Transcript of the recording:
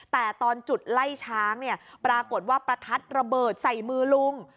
แต่ตอนจุดไล่ช้างเนี่ยปรากฏว่าประทัดระเบิดใส่มือลุง